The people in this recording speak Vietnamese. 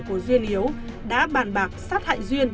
của duyên hiếu đã bàn bạc sát hại duyên